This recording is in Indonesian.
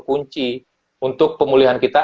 kunci untuk pemulihan kita